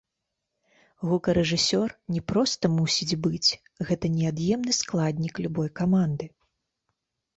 Гукарэжысёр не проста мусіць быць, гэта неад'емны складнік любой каманды!